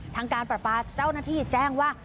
ทางการประปาเจ้าหน้าที่แจ้งว่า